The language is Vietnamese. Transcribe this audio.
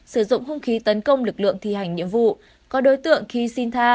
sử dụng hung khí tấn công lực lượng thi hành nhiệm vụ có đối tượng khi xin tha